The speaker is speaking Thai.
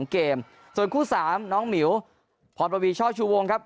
เกมส่วนคู่๓น้องหมิวพรปวีช่อชูวงครับ